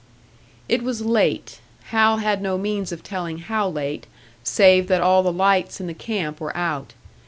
It was late; Hal had no means of telling how late, save that all the lights in the camps were out.